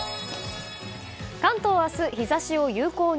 関東は明日日差しを有効に。